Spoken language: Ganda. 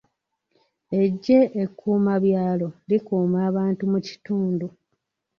Eggye ekkuumabyalo likuuma abantu mu kitundu.